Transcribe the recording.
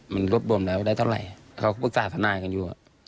มันรวบรวมแล้วได้เท่าไหร่เขาก็เพิ่งสาธารณากันอยู่